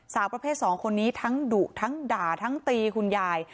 สาวประเภท๒คนนี้ทั้งดุทั้งด่าทั้งตีคุณยาย